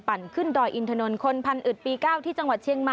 ปั่นขึ้นดอยอินทนนคนพันธุ์อึดปีเก้าที่จังหวัดเชียงใหม่